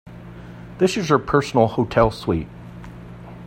This is your personal hotel suite.